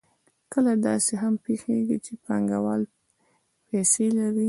کله داسې هم پېښېږي چې پانګوال پیسې لري